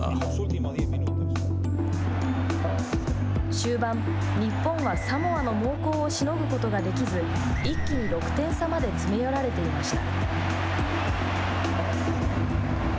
終盤、日本はサモアの猛攻をしのぐことができず一気に６点差まで詰め寄られていました。